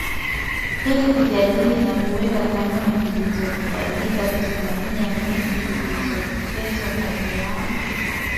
ili kujadili na kuweka kanuni zilizokubalika kusimamia mechi zilizochezwa kati yao